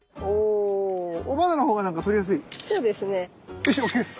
よしＯＫです。